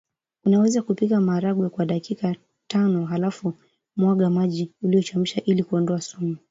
Unaweza kupika maharage kwa dakika tanohalafu mwaga maji uliyochemshia ili kuondoa sumu